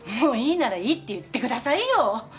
いいならいいって言ってくださいよ。